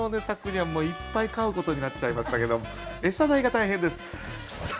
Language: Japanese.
さくにゃんもいっぱい飼うことになっちゃいましたけど餌代が大変です。